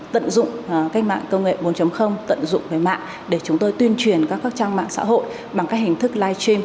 tận dụng cách mạng công nghệ bốn tận dụng cái mạng để chúng tôi tuyên truyền các các trang mạng xã hội bằng các hình thức livestream